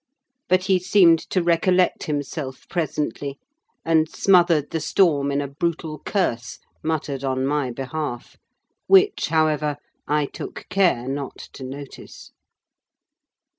But he seemed to recollect himself presently, and smothered the storm in a brutal curse, muttered on my behalf: which, however, I took care not to notice.